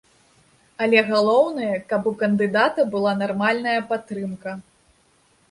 Але галоўнае, каб у кандыдата была нармальная падтрымка.